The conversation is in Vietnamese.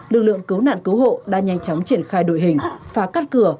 lực lượng cứu nạn cứu hộ đã nhanh chóng triển khai đội hình phá cắt cửa